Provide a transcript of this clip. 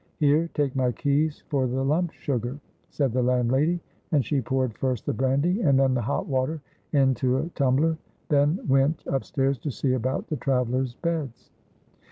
"Here, take my keys for the lump sugar," said the landlady, and she poured first the brandy and then the hot water into a tumbler, then went upstairs to see about the travelers' beds.